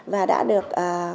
và đã được